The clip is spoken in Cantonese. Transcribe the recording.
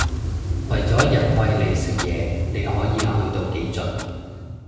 為咗人餵你食嘢你可以去到幾盡